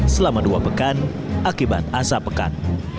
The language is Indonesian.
selama dua pekan akibat asap pekat